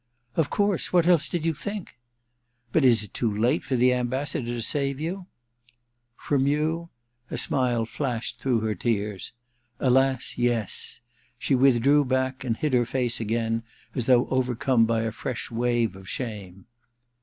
' Of course — what else did you think ?But is it too late for the Ambassador to save you ?'* From you ?' A smile flashed through her tears. * Alas, yes.* She drew back and hid her face agdn, as though overcome by a fresh wave of shame.